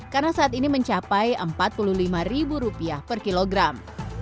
karena saat ini mencapai rp empat puluh lima per kilogram